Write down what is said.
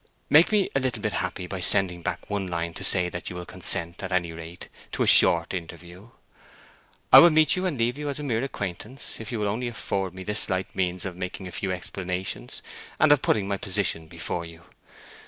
Make me a little bit happy by sending back one line to say that you will consent, at any rate, to a short interview. I will meet you and leave you as a mere acquaintance, if you will only afford me this slight means of making a few explanations, and of putting my position before you.